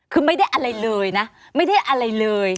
คือไม่ได้อะไรเลยนะไม่ได้อะไรเลย